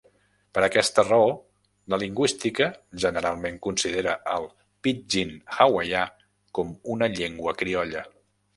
Per aquesta raó, la lingüística generalment considera el pidgin hawaià com una llengua criolla.